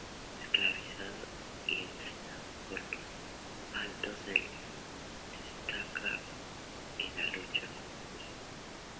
Esclavizado y entrenado por los Altos Elfos, destaca en la lucha confusa.